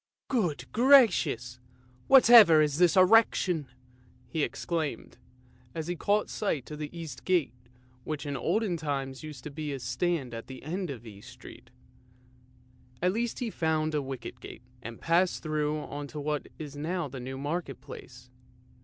" Good gracious! Whatever is that erection? " he exclaimed, as he caught sight of the East Gate which in olden times used to stand at the end of East Street. At last he found a wicket gate, and passed through on to what is now the New Market Place.